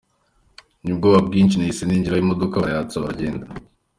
N’ubwoba bwinshi nahise ninjira, imodoka barayatsa baragenda.